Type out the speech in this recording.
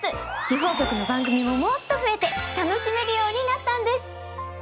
地方局の番組ももっと増えて楽しめるようになったんです。